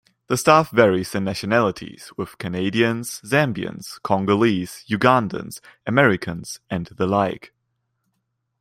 The staff varies in nationalities with Canadians, Zambians, Congolese, Ugandans, Americans and the like.